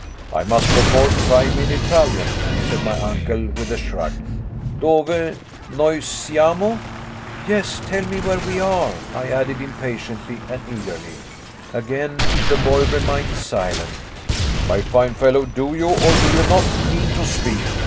"I must perforce try him in Italian," said my uncle, with a shrug. "Dove noi siamo?" "Yes, tell me where we are?" I added impatiently and eagerly. Again the boy remained silent. "My fine fellow, do you or do you not mean to speak?"